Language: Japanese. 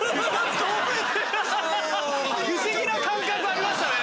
不思議な感覚ありましたね。